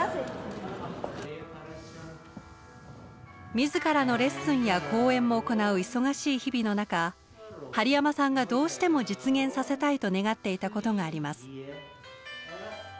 自らのレッスンや公演も行う忙しい日々の中針山さんがどうしても実現させたいと願っていたことがあります。